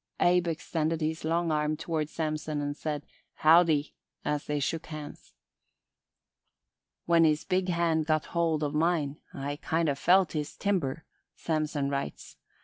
Abe extended his long arm toward Samson and said "Howdy" as they shook hands. "When his big hand got hold of mine, I kind of felt his timber," Samson writes.